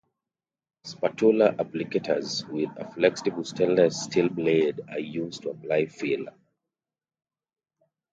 Spatula applicators, with a flexible stainless steel blade, are used to apply filler.